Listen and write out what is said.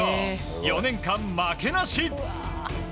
４年間負けなし！